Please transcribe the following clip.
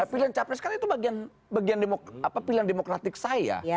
pilihan capres kan itu bagian pilihan demokratik saya